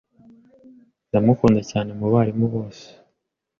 Ndamukunda cyane mubarimu bose.